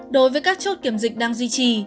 đối với các chốt kiểm dịch đang duy trì